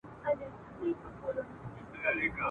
له خولې ووتله زرکه ناببره !.